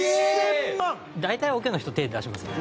大体オケの人手出しますよ。